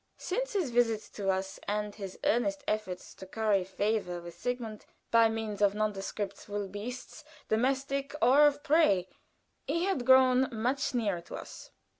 Since his visits to us and his earnest efforts to curry favor with Sigmund by means of nondescript wool beasts, domestic or of prey, he had grown much nearer to us.